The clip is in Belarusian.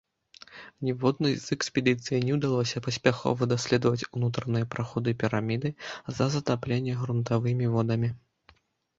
Ніводнай з экспедыцый не ўдалося паспяхова даследаваць унутраныя праходы піраміды з-за затаплення грунтавымі водамі.